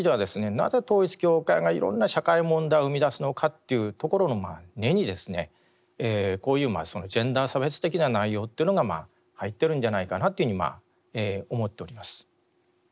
なぜ統一教会がいろんな社会問題を生みだすのかというところの根にですねこういうジェンダー差別的な内容というのが入っているんじゃないかなというふうに思っております。